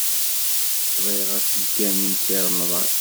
Bɣiɣ ad tegganim Si Remḍan.